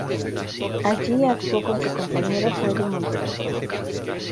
Allí actuó con su compañero Freddy Montero.